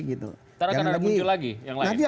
nanti akan ada muncul lagi yang lain